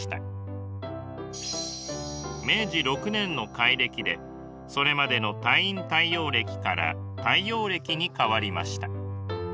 明治６年の改暦でそれまでの太陰太陽暦から太陽暦に変わりました。